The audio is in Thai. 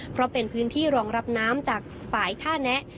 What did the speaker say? เพราะเป็นพื้นที่รองรับน้ำจากฝ่ายท่าแนะ